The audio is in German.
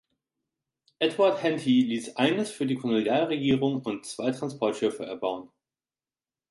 Edward Henty ließ eines für die Kolonialregierung und zwei Transportschiffe erbauen.